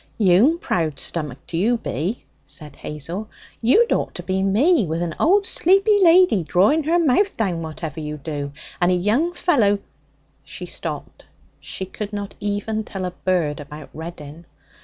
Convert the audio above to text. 'You'm proud stomached, you be!' said Hazel. 'You'd ought to be me, with an old sleepy lady drawing her mouth down whatever you do, and a young fellow ' She stopped. She could not even tell a bird about Reddin.